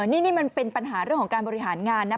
นี่มันเป็นปัญหาเรื่องของการบริหารงานนะ